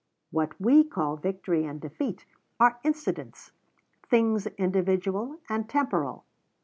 What we call victory and defeat are incidents things individual and temporal.